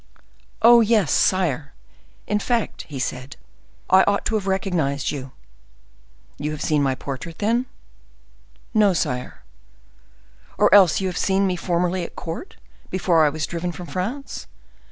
"Oh, yes, sire; in fact," said he, "I ought to have recognized you." "You have seen my portrait, then?" "No, sire." "Or else you have seen me formerly at court, before I was driven from France?"